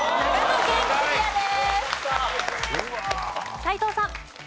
斎藤さん。